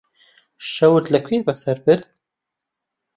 شەوت لەکوێ بەسەر برد؟